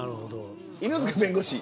犬塚弁護士。